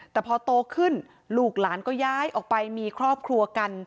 แต่พอโตขึ้นลูกหลานก็ย้ายออกไปมีครอบครัวกัน